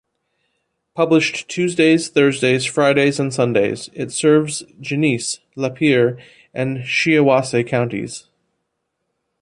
Published Tuesdays, Thursdays, Fridays and Sundays, it serves Genesee, Lapeer and Shiawassee Counties.